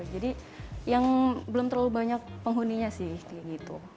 jadi yang belum terlalu banyak penghuninya sih kayak gitu